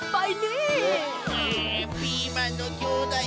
うピーマンのきょうだいがきた。